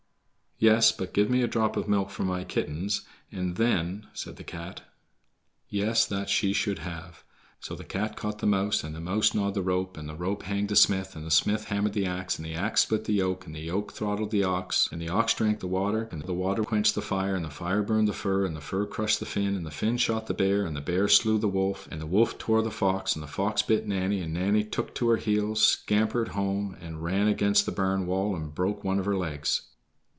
"Yes, but give me a drop of milk for my kittens and then—" said the cat. Yes, that she should have. So the cat caught the mouse, and the mouse gnawed the rope, and the rope hanged the smith, and the smith hammered the ax, and the ax split the yoke, and the yoke throttled the ox, and the ox drank the water, and the water quenched the fire, and the fire burned the fir, and the fir crushed the Finn, and the Finn shot the bear, and the bear slew the wolf, and the wolf tore the fox, and the fox bit Nanny, and Nanny took to her heels, scampered home, and ran against the barn wall and broke one of her legs.